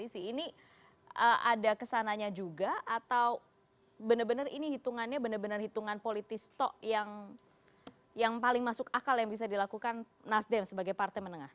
ini ada kesananya juga atau benar benar ini hitungannya benar benar hitungan politis toh yang paling masuk akal yang bisa dilakukan nasdem sebagai partai menengah